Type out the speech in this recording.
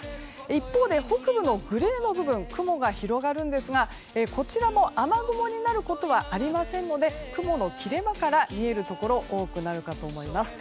一方で北部のグレーの部分雲が広がるんですがこちらも、雨雲になることはありませんので雲の切れ間から見えるところ多くなると思います。